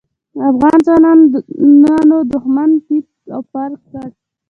افغان ځواکونو دوښمن تيت و پرک کړ.